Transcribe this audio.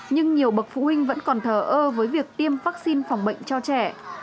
nhưng nhiều bậc phụ huynh vẫn còn thờ ơ với việc tiêm vaccine phòng bệnh cho trẻ